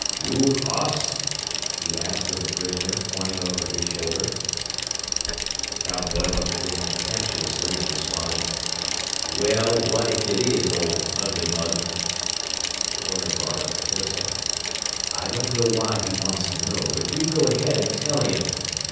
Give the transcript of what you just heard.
"You hoss?" he asked of the prisoner, pointing over his shoulder. The cowboy looked at him contemptuously, and responded, "Well, what if it is, Old Ugly Mug?" The oiler brought up the pistol. "I don't know why he wants to know, but you go ahead and tell him!"